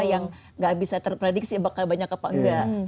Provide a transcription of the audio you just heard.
yang nggak bisa terprediksi bakal banyak apa enggak